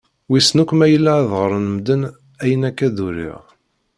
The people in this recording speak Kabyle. Wissen akk ma yella ad ɣren medden ayen akka d-uriɣ.